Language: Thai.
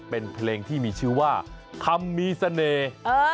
เป็นเพลงที่มีชื่อว่าคำมีเสน่ห์